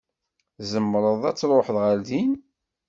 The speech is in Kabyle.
Tzemreḍ ad truḥeḍ ɣer din.